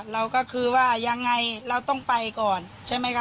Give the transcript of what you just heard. เราก็คือว่ายังไงเราต้องไปก่อนใช่ไหมคะ